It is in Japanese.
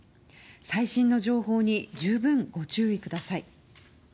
最新の情報に十分ご注意ください。